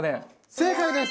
正解です！